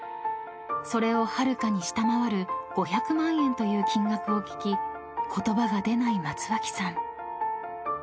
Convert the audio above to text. ［それをはるかに下回る５００万円という金額を聞き言葉が出ない松脇さん］